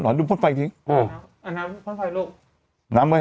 เหมาะดูพ่นไฟลูก